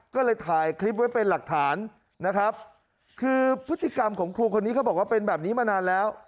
ก็เลยถ่ายคลิปไว้เป็นหลักฐานนะครับคือพฤติกรรมของครูคนนี้เขาบอกว่าเป็นแบบนี้มานานแล้ว